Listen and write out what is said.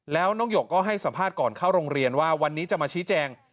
แล้วน้องหยกก็ให้สัมภาษณ์ก่อนเข้าโรงเรียนว่าวันนี้จะมาชี้แจง